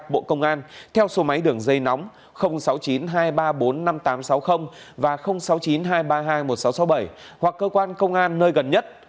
bộ công an theo số máy đường dây nóng sáu mươi chín hai trăm ba mươi bốn năm nghìn tám trăm sáu mươi và sáu mươi chín hai trăm ba mươi hai một nghìn sáu trăm sáu mươi bảy hoặc cơ quan công an nơi gần nhất